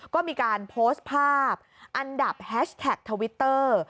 ก็มีการโพสต์ภาพอันดับแฮชแท็กทวิตเตอร์